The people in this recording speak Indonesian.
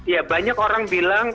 ya banyak orang bilang